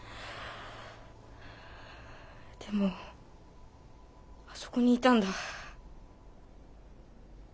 でもあそこにいたんだ。